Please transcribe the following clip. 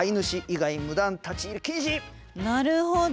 なるほど。